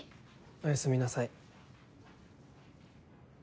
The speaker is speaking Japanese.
おやすみなさい。